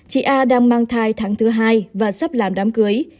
chị a đang mang thai tháng thứ hai và sắp làm đám cưới